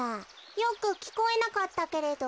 よくきこえなかったけれど。